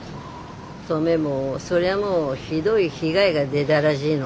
登米もそりゃもうひどい被害が出だらしいの。